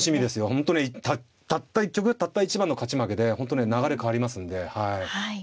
本当にたった一局たった一番の勝ち負けで本当ね流れ変わりますんではい。